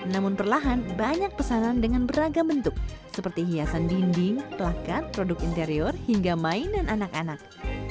namun perlahan banyak pesanan dengan beragam bentuk seperti hiasan dinding pelakat produk interior hingga mainan anak anak